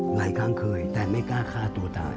หลายครั้งเคยแต่ไม่กล้าฆ่าตัวตาย